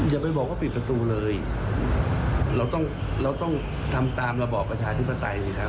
อย่าไปบอกว่าปิดประตูเลยเราต้องเราต้องทำตามระบอบประชาธิปไตยนะครับ